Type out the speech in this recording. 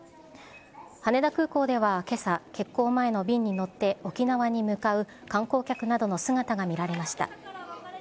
羽田空港ではけさ、欠航前の便に乗って沖縄に向かう観光客などの姿が見られました。